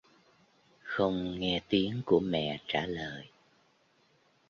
Không nghe tiếng của mẹ trả lời